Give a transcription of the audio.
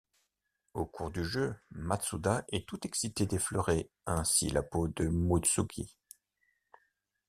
Au cours du jeu, Matsuda est tout excité d'effleurer ainsi la peau de Mutsuki.